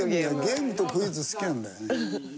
ゲームとクイズ好きなんだよね。